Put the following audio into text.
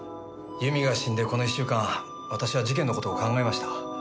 由美が死んでこの１週間私は事件の事を考えました。